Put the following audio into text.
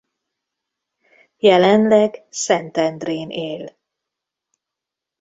Jelenleg Szentendrén él.